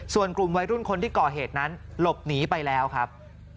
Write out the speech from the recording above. ส่วนกลุ่มวัยรุ่นคนที่ก่อเหตุนั้นหลบหนีไปแล้วครับ